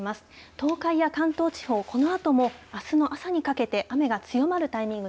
東海や関東地方、このあともあすの朝にかけて雨が強まるタイミング